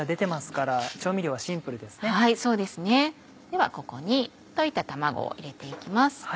ではここに溶いた卵を入れて行きます。